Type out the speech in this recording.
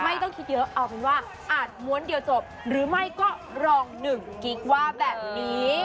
ไม่ต้องคิดเยอะเอาเป็นว่าอาจม้วนเดียวจบหรือไม่ก็รองหนึ่งกิ๊กว่าแบบนี้